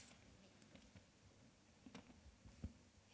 え